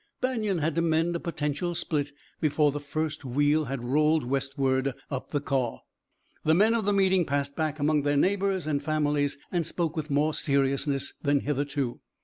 Banion had to mend a potential split before the first wheel had rolled westward up the Kaw. The men of the meeting passed back among their neighbors and families, and spoke with more seriousness than hitherto.